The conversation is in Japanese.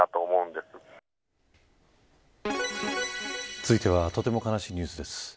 続いてはとても悲しいニュースです。